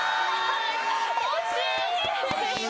惜しい！